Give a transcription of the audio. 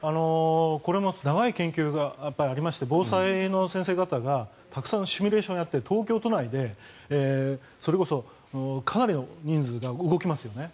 これも長い研究がありまして防災の先生方がたくさんシミュレーションをやって東京都内でそれこそかなりの人数が動きますよね。